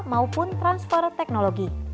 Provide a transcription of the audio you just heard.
maupun transfer teknologi